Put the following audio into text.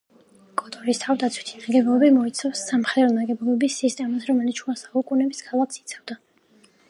კოტორის თავდაცვითი ნაგებობები მოიცავს სამხედრო ნაგებობების სისტემას, რომელიც შუა საუკუნეების ქალაქს იცავდა.